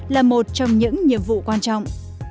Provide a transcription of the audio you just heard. là một trong những nhiệm vụ quan trọng